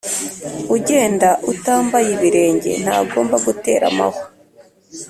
ugenda utambaye ibirenge ntagomba gutera amahwa.